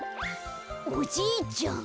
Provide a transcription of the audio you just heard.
おじいちゃん。